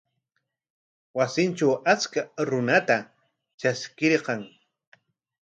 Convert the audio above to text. Wasintraw achka runata traskirqan.